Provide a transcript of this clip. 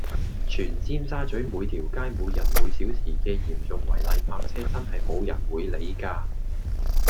全尖沙咀每條街每日每小時嘅嚴重違例泊車真係冇人會理㗎￼